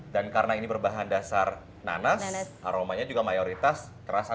dan karena ini berbahan dasar nanas aromanya juga mayoritas terasa nanas